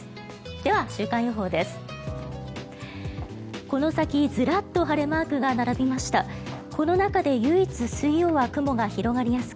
では週間予報です。